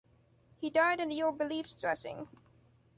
He died in the old beliefs dressing.